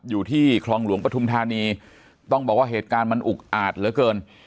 อยู่ที่คลองหลวงปฐุมธานีต้องบอกว่าเหตุการณ์มันอุกอาจเหลือเกิน